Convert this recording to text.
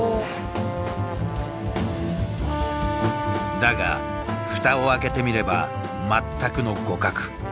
だが蓋を開けてみれば全くの互角。